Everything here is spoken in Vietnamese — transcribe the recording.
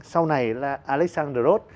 sau này là alexandros